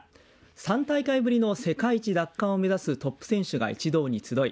３大会ぶりの世界一奪還を目指すトップ選手が一堂に集い